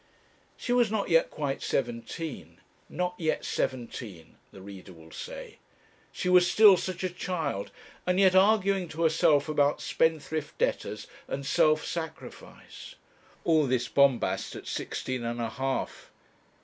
She was not yet quite seventeen. Not yet seventeen! the reader will say. She was still such a child, and yet arguing to herself about spendthrift debtors and self sacrifice! All this bombast at sixteen and a half.